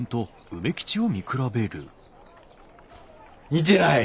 似てない。